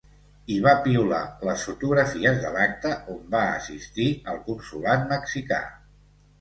I va piular les fotografies de l’acte on va assistir, al consolat mexicà.